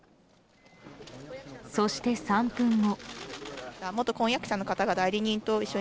そして、３分後。